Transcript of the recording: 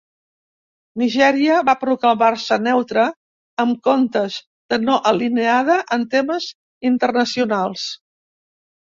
Nigèria va proclamar-se "neutra" en comptes de "no alineada" en temes internacionals.